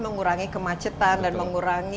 mengurangi kemacetan dan mengurangi